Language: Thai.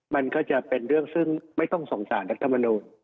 มันก็จะเป็นเรื่องซึ่งไม่ต้องส่งสารรัฐมนูล